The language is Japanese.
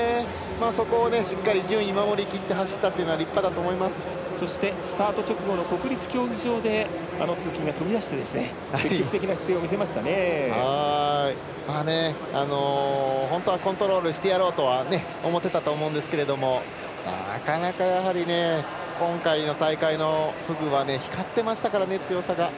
そこをしっかり順位、守りきって走ったというのはスタート直後の国立競技場で鈴木が飛び出して本当はコントロールしてやろうと思ってたと思うんですけれどもなかなか今回の大会のフグは光ってましたからね、強さが。